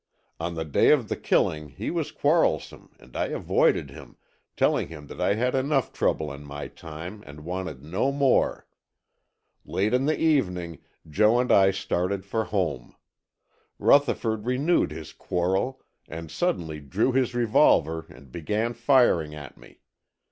On the day of the killing he was quarrelsome and I avoided him, telling him that I had enough trouble in my time and wanted no more. Late in the evening Joe and I started for home. Rutherford renewed his quarrel and suddenly drew his revolver and began firing at me.